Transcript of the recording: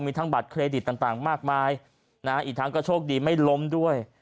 มีทั้งบัตรเครดิตต่างมากมายอีกทั้งก็โชคดีไม่ล้มด้วย